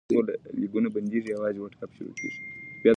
• واده د شریکې خوشحالۍ پیل دی.